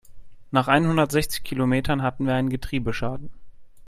Nach einhundertsechzig Kilometern hatten wir einen Getriebeschaden.